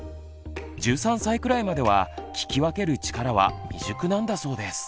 １３歳くらいまでは聞き分ける力は未熟なんだそうです。